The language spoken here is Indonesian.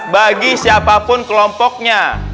bagi siapapun kelompoknya